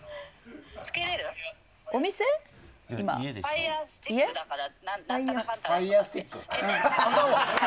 ファイヤースティックだから。